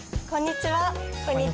こんにちは。